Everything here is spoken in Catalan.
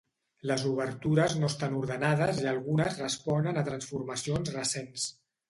Les obertures no estan ordenades i algunes responen a transformacions recents.